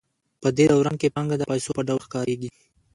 په دې دوران کې پانګه د پیسو په ډول ښکارېږي